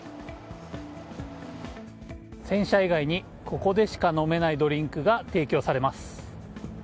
洗車以外に、ここでしか飲めないドリンクが提供されます。